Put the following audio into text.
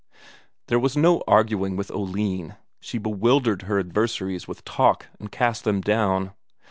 There was no arguing with Oline, she bewildered her adversaries with talk and cast them down.